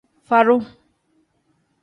Fadu.